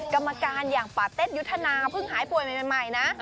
กรรมการอย่างปาเต้นยุทธนาเพิ่งหายป่วยใหม่นะ